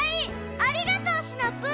ありがとうシナプー！